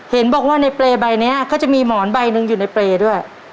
เห็นบอกว่าในเปรย์ใบนี้ก็จะมีหมอนใบหนึ่งอยู่ในเปรย์ด้วย